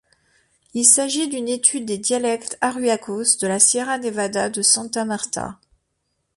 Il s'agit d'une étude des dialectes arhuacos de la Sierra Nevada de Santa Marta.